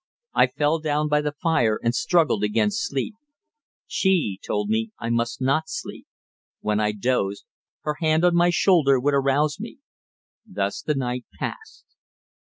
I fell down by the fire and struggled against sleep. She told me I must not sleep. When I dozed, her hand on my shoulder would arouse me. Thus the night passed.